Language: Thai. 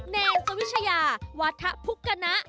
แนวสวิชยาวัฒนภุกณะ